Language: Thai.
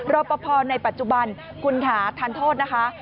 รอปภในปัจจุบันคุณค่ะทานโทษนะคะ